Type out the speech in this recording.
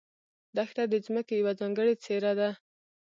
دښته د ځمکې یوه ځانګړې څېره ده.